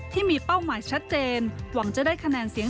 ที่มีเป้าหมายชัดเจนหวังจะได้คะแนนเสียง